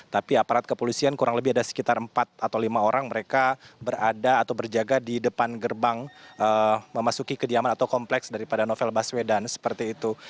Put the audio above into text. tapi aparat kepolisian kurang lebih ada sekitar empat atau lima orang mereka berada atau berjaga di depan gerbang memasuki kediaman atau kompleks daripada novel baswedan seperti itu